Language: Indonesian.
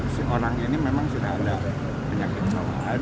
si orang ini memang sudah ada penyakit tambahan